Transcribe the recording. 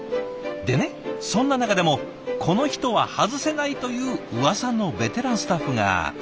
でねそんな中でもこの人は外せないといううわさのベテランスタッフが。